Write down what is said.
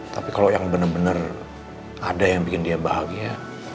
tapi kalau yang benar benar ada yang bikin dia bahagia